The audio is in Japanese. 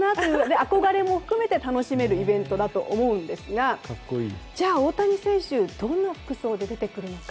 憧れも含めて楽しめるイベントだと思うんですが大谷選手、どんな服装で出てくるのか。